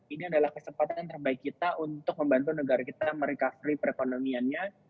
ini adalah kesempatan terbaik kita untuk membantu negara kita merecovery perekonomiannya